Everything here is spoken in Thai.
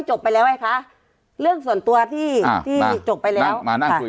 จบไปแล้วไงคะเรื่องส่วนตัวที่ที่จบไปแล้วมานั่งคุย